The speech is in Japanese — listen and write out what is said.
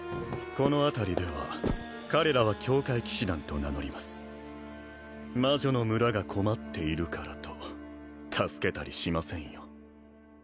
この辺りでは彼らは教会騎士団と名乗ります魔女の村が困っているからと助けたりしませんよ